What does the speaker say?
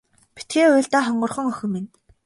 Битгий уйл даа хонгорхон охин минь.